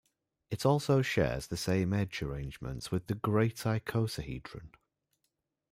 It also shares the same edge arrangement with the great icosahedron.